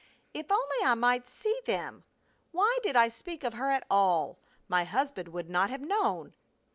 If only I might see them ! Why did I speak of her at all ; my husband would not have known.